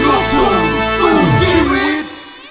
ลูกธุมสู้ชีวิต